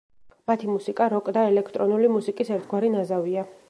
მათი მუსიკა როკ და ელექტრონული მუსიკის ერთგვარი ნაზავია.